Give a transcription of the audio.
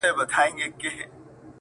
چي څونه به لا ګرځي سرګردانه په کوڅو کي-